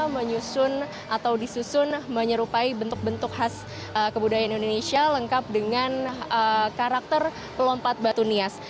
menyusun atau disusun menyerupai bentuk bentuk khas kebudayaan indonesia lengkap dengan karakter lompat batu nias